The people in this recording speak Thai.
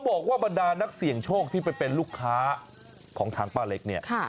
บ้านด้านนักเสี่ยงโชคที่เป็นลูกค้าของทางป้าเล็กเนี่ย